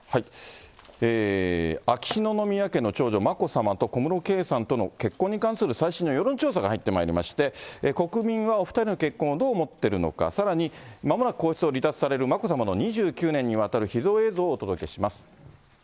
秋篠宮家の長女、眞子さまと小室圭さんとの結婚に関する最新の世論調査が入ってまいりまして、国民はお２人の結婚をどう思ってるのか、さらに、まもなく皇室を離脱される眞子さまの２９年にわたる秘蔵映像をお届けします。